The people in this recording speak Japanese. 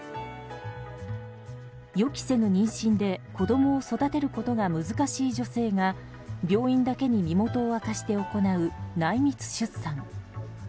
予期せぬ妊娠で子供を育てることが難しい女性が、病院だけに身元を明かして行う内密出産。